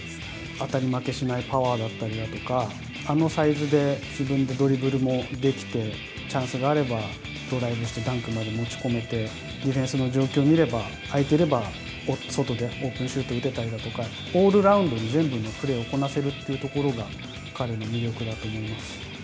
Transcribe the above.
当たり負けしないパワーだったりだとか、あのサイズで自分でドリブルもできて、チャンスがあればドライブして、ダンクまで持ち込めて、ディフェンスの状況を見れば、空いてれば、外でオープンシュートを打てたりだとか、オールラウンドに全部のプレーをこなせるってところが彼の魅力だと思います。